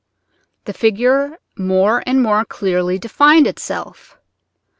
The figure more and more clearly defined itself.